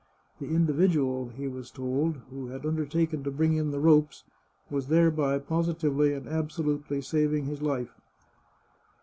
The individual, he was told, who had undertaken to bring in the ropes was thereby positively and absolutely saving his life.